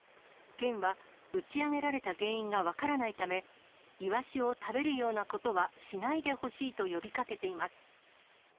県は打ち上げられた原因が分からないため、イワシを食べるようなことはしないでほしいと呼びかけています。